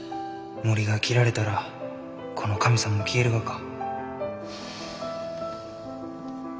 森が切られたらこの神さんも消えるがか？